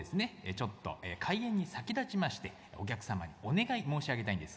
ちょっと開演に先立ちましてお客様にお願い申し上げたいんですが。